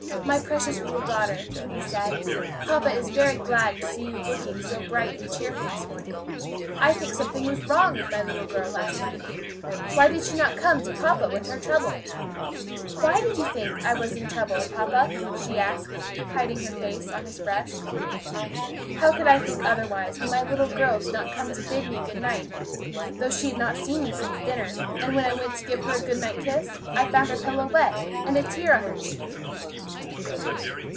"My precious little daughter," he said, "papa is very glad to see you looking so bright and cheerful this morning. I think something was wrong with my little girl last night. Why did she not come to papa with her trouble?" "Why did you think I was in trouble, papa?" she asked, hiding her face on his breast. "How could I think otherwise, when my little girl did not come to bid me good night, though she had not seen me since dinner; and when I went to give her a good night kiss I found her pillow wet, and a tear on her cheek?"